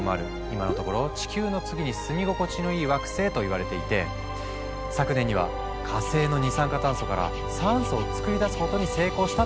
今のところ「地球の次に住み心地のいい惑星」といわれていて昨年には火星の二酸化炭素から酸素を作り出すことに成功したってニュースも。